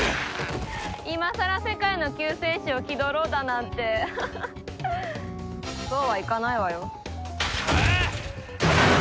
今さら世界の救世主を気取ろうだなんてそうはいかないわよ。